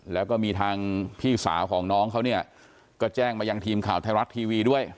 แล้วก็มีทางพี่สาวของน้องเขาเนี่ยก็แจ้งมายังทีมข่าวไทยรัฐทีวีด้วย